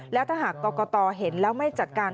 แล้วถ้าหากกตเห็นแล้วไม่จัดการ